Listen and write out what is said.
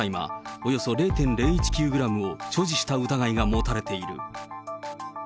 およそ０．０１９グラムを所持した疑いが持たれている。